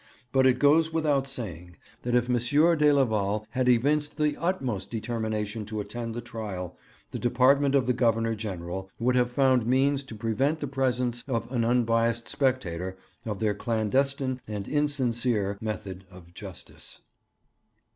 But it goes without saying that if M. de Leval had evinced the utmost determination to attend the trial, the Department of the Governor General would have found means to prevent the presence of an unbiased spectator of their clandestine and insincere method of 'justice.'